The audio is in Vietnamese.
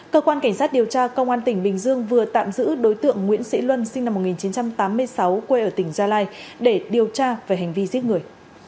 cơ quan cảnh sát điều tra công an tỉnh bình dương vừa tạm giữ đối tượng nguyễn sĩ luân sinh năm một nghìn chín trăm tám mươi sáu quê ở tỉnh gia lai để điều tra về hành vi giết người